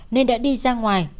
nên đã đi ra ngoài